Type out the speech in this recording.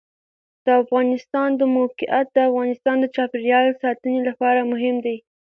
د افغانستان د موقعیت د افغانستان د چاپیریال ساتنې لپاره مهم دي.